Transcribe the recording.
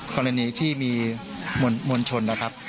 กรณีที่มีมวลชนนะครับ